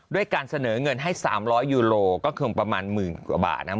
ด้วยการเสนอเงินให้สามร้อยยูโรก็คือประมาณหมื่นกว่าบาทนะ